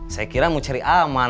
saya kira mau cari aman